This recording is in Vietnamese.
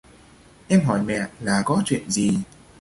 Em hỏi mẹ là có chuyện gì